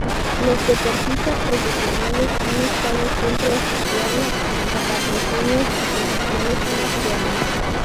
Los deportistas profesionales han estado siempre asociados a patrocinios y promociones comerciales.